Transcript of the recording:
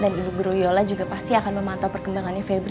dan ibu guru yola juga pasti akan memantau perkembangannya febri